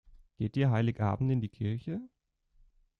Geht ihr Heiligabend in die Kirche?